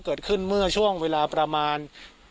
เกิดขึ้นเมื่อช่วงเวลาประมาณ